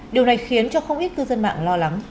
điều này khiến cho không ít cư dân mạng lo lắng